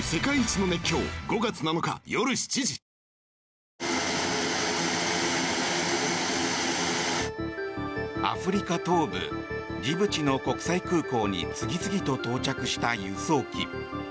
お申込みはアフリカ東部ジブチの国際空港に次々と到着した輸送機。